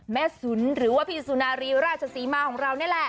สุนหรือว่าพี่สุนารีราชศรีมาของเรานี่แหละ